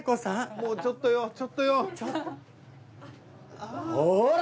もうちょっとよちょっとよ。ほら！